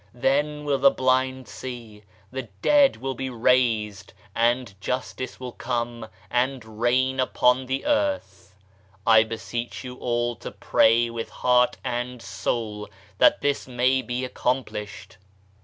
Then will the blind see, the dead will be raised, and Justice will come and reign upon the earth. I beseech you all to pray with heart and soul that this may be accomplished.